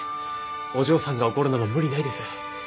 お嬢さんが怒るのも無理ないです。